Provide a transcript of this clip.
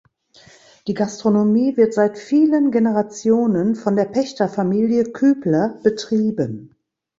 Die Gastronomie wird seit vielen Generationen von der Pächterfamilie Kübler betrieben.